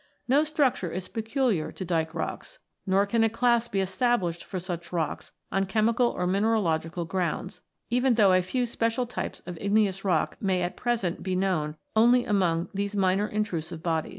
No structure is peculiar to dyke rocks, nor can a class be established for such rocks on chemical or mineralogical grounds, even though a few special types of igneous rock may at present be known only among these minor intrusive bodies.